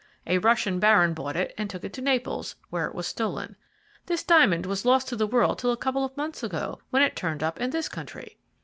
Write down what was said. A Russian baron bought it and took it to Naples, where it was stolen. This diamond was lost to the world till a couple of months ago, when it turned up in this country."